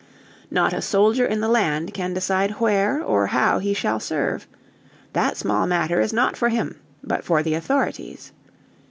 Not a soldier in the land can decide where or how he shall serve. That small matter is not for him, but for the authorities.